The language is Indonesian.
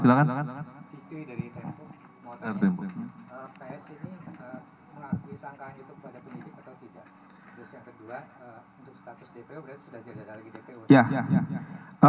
sudah jadi ada lagi dpo